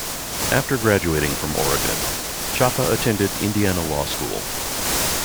After graduating from Oregon, Chapa attended Indiana Law School.